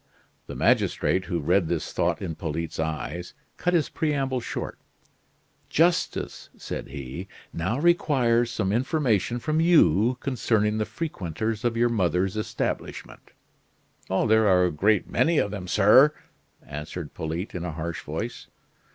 The magistrate, who read this thought in Polyte's eyes, cut his preamble short. "Justice," said he, "now requires some information from you concerning the frequenters of your mother's establishment." "There are a great many of them, sir," answered Polyte in a harsh voice.